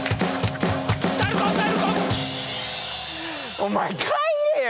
お前帰れよ！